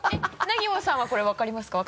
なぎぼさんはこれ分かりますか？